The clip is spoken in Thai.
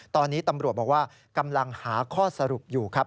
ตอนนี้ตำรวจบอกว่ากำลังหาข้อสรุปอยู่ครับ